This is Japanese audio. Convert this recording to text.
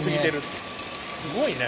すごいね。